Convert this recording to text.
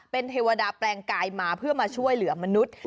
เป็นเทวดาแปลงกายมาเพื่อมาช่วยเหลือมนุษย์